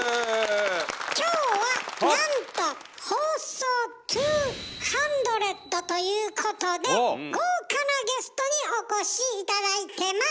今日はなんと放送２００ということで豪華なゲストにお越し頂いてます！